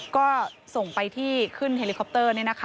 ก็ส่งไปที่ขึ้นเฮลิคอปเตอร์